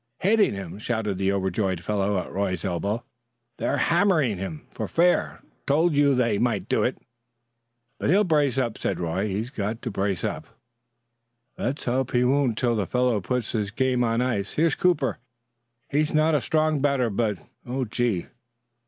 "Hitting him!" shouted the overjoyed fellow at Roy's elbow. "They're hammering him for fair. Told you they might do it." "But he'll brace up," said Roy. "He's got to brace up." "Let's hope he won't till the fellows put this game on ice. Here's Cooper. He's not a strong batter, but Oh, gee!